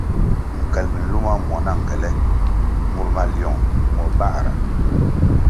Nkel minluma muo na ngele mur maliong muo bãhra.